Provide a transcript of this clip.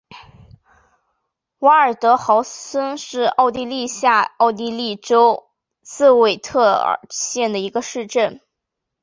瓦尔德豪森是奥地利下奥地利州茨韦特尔县的一个市镇。